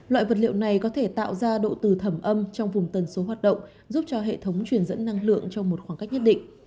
loại vật liệu này có thể tạo ra độ từ thẩm âm trong vùng tần số hoạt động giúp cho hệ thống truyền dẫn năng lượng trong một khoảng cách nhất định